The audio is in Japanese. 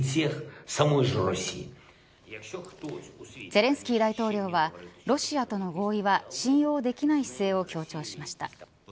ゼレンスキー大統領はロシアとの合意は信用できない姿勢を強調しました。